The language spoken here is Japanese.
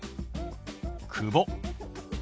「久保」。